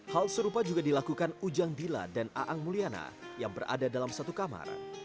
hal serupa juga dilakukan ujang bila dan aang mulyana yang berada dalam satu kamar